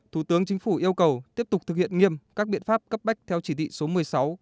thủ tướng chính phủ yêu cầu tiếp tục thực hiện nghiêm các biện pháp cấp bách theo chỉ thị số một mươi sáu